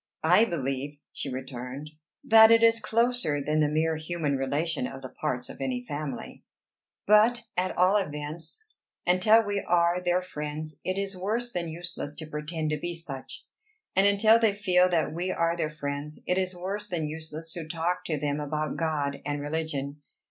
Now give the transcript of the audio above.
"I believe," she returned, "that it is closer than the mere human relation of the parts of any family. But, at all events, until we are their friends it is worse than useless to pretend to be such, and until they feel that we are their friends it is worse than useless to talk to them about God and religion.